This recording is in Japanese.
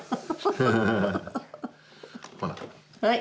はい。